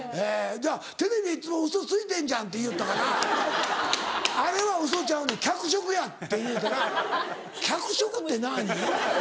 「テレビでいっつもウソついてんじゃん」って言いよったから「あれはウソちゃうねん脚色や」って言うたら「脚色ってなに？」。